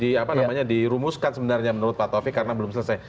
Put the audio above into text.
di apa namanya dirumuskan sebenarnya menurut pak taufik karena belum selesai